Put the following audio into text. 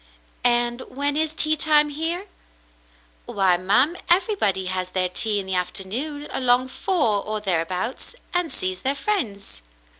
"And when is tea time here?" "Why, ma'm, everybody has their tea in the afternoon along four or thereabouts, and sees their friends."